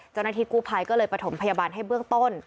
เจ้าหน้าที่กู้ภัยก็เลยประถมพยาบาลให้เบื้องต้น